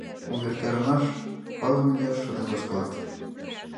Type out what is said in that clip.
Увертарымаш, палыме лияш шонен возкалат.